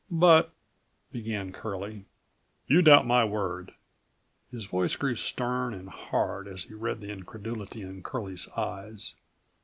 "But—" began Curlie. "You doubt my word," his voice grew stern and hard as he read the incredulity in Curlie's eyes.